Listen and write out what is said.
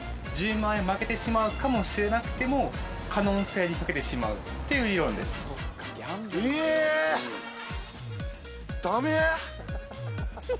１０万円負けてしまうかもしれなくても可能性にかけてしまうっていう理論ですえっダメ？